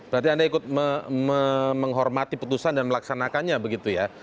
berarti anda ikut menghormati putusan dan melaksanakannya begitu ya